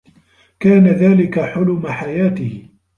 كان ذلك حلم حياته.